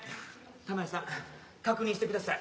珠代さん確認してください。